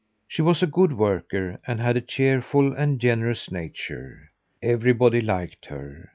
She was a good worker and had a cheerful and generous nature. Everybody liked her.